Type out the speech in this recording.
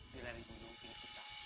di lari gunung tinggi kita